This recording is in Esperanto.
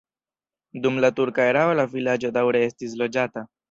Dum la turka erao la vilaĝo daŭre estis loĝata.